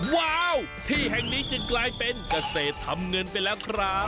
ว้าวที่แห่งนี้จึงกลายเป็นเกษตรทำเงินไปแล้วครับ